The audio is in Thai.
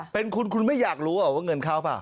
เป็นคุณคุณไม่อยากรู้เหรอว่าเงินเข้าเปล่า